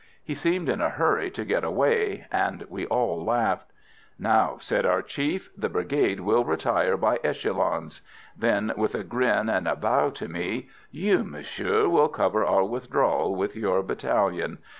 He seemed in a hurry to get away, and we all laughed. "Now," said our chief, "the Brigade will retire by echelons." Then, with a grin and a bow to me: "You, monsieur, will cover our withdrawal with your battalion.